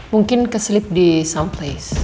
mungkin keselip di some place